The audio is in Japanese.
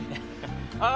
ああ。